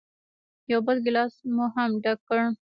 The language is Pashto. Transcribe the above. یو بل ګیلاس مو هم ډک کړ.